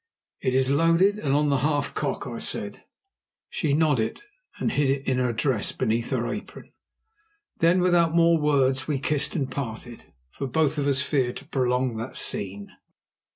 "It is loaded and on the half cock," I said. She nodded, and hid it in her dress beneath her apron. Then without more words we kissed and parted, for both of us feared to prolong that scene.